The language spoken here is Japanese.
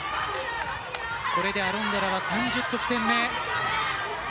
これでアロンドラは３０得点目。